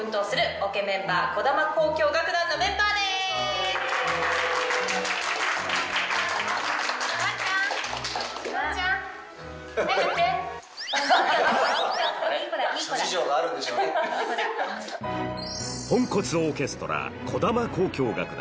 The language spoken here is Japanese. ポンコツオーケストラ児玉交響楽団